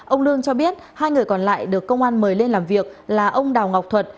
ông lương cho biết hai người còn lại được công an mời lên làm việc là ông đào ngọc thuật